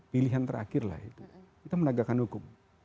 pilihan terakhirlah itu kita menegakkan hukum